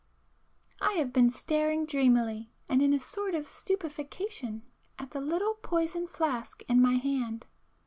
····· I have been staring dreamily and in a sort of stupefaction at the little poison flask in my hand.